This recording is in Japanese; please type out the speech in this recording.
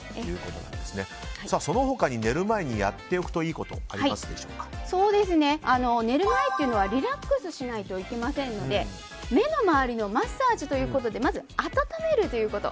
その他に寝る前にやっておくといいこと寝る前というのはリラックスしないといけませんので目の周りのマッサージということで温めるということ。